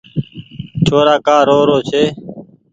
ڇورآ ڪآ رو رو ڇي